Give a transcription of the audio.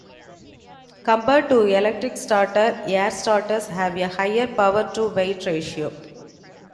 Compared to electric starters, air-starters have a higher power-to-weight ratio.